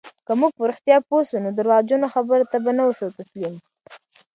که موږ رښتیا پوه سو، نو درواغجنو خبرو ته به نه سو تسلیم.